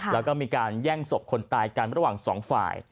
แล้วก็มีการแย่งศพคนตายกันระหว่างสองฝ่าย